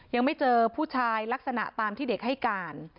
ยังไม่เจอผู้ชายลักษณะตามที่เด็กให้การ